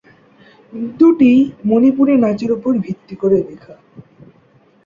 দুটিই মণিপুরী নাচের উপর ভিত্তি করে লেখা।